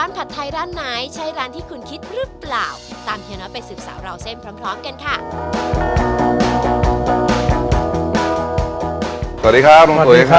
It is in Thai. สวัสดีที่มองว่าร้านปลาใบ้บางโภ